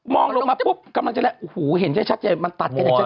มองลงมาปุ๊บกำลังจะแรกหูเห็นใช่ชัดใจมันตัด